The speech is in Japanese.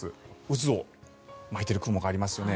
渦を巻いている雲がありますよね。